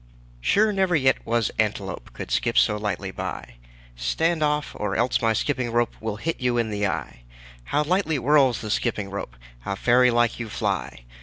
Sure never yet was Antelope Could skip so lightly by, Stand off, or else my skipping rope Will hit you in the eye. How lightly whirls the skipping rope! How fairy like you fly!